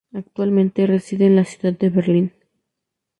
Actualmente reside en la ciudad de Berlín.